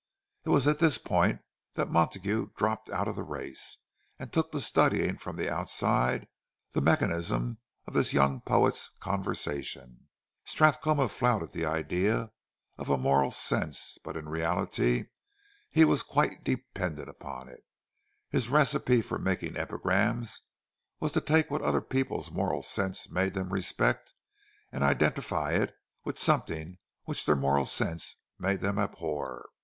It was at this point that Montague dropped out of the race, and took to studying from the outside the mechanism of this young poet's conversation. Strathcona flouted the idea of a moral sense; but in reality he was quite dependent upon it—his recipe for making epigrams was to take what other people's moral sense made them respect, and identify it with something which their moral sense made them abhor.